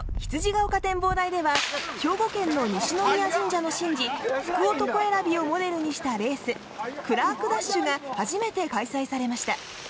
羊ヶ丘展望台では兵庫県の西宮神社の神事福男選びをモデルにしたレースクラークダッシュが初めて開催されました